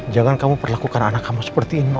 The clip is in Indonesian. jangan kamu perlakukan anak kamu seperti ini